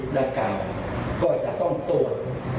ดังกล่าวก็จะต้องตรวจ